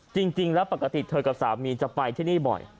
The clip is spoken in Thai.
จริงแล้วปกติเธอกับสามีจะไปที่นี่บ่อย